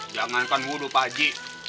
jangankan wuduk pak haji